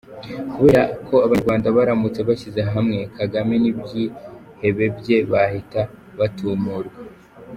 Kubera ko abanyarwanda baramutse bashyize hamwe, Kagame n’ibyihebe bye bahita batumurwa!